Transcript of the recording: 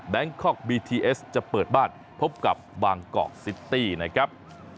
คอกบีทีเอสจะเปิดบ้านพบกับบางกอกซิตี้นะครับ